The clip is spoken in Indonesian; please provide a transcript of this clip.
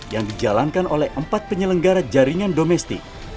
yang dijalankan oleh empat penyelenggara jaringan domestik